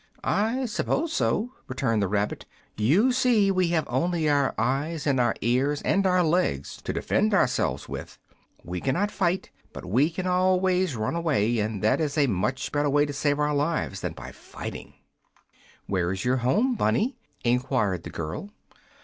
"I suppose so," returned the rabbit; "you see we have only our eyes and our ears and our legs to defend ourselves with. We cannot fight, but we can always run away, and that is a much better way to save our lives than by fighting." "Where is your home, bunny?" enquired the girl.